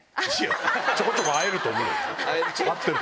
ちょこちょこ会えると思うよ。